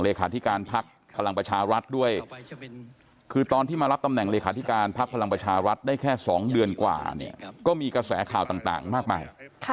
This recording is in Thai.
เลขาธิการพักพลังประชารัฐด้วยคือตอนที่มารับตำแหน่งเลขาธิการพักพลังประชารัฐได้แค่๒เดือนกว่าเนี่ยก็มีกระแสข่าวต่างมากมาย